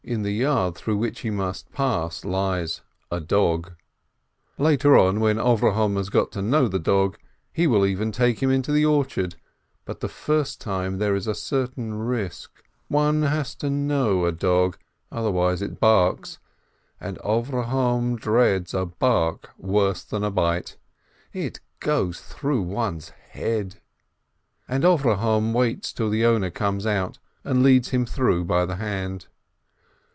In the yard through which he must pass lies a dog. Later on, when Avrohom has got to know the dog, he will even take him into the orchard, but the first time there is a certain risk — one has to know a dog, otherwise it barks, and Avrohom dreads a bark worse than a bite — it goes through one's head ! And Avrohom waits till the owner comes out, and leads him through by the hand.